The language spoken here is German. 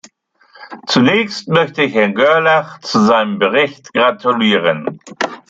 Zunächst möchte ich Herrn Görlach zu seinem Bericht gratulieren.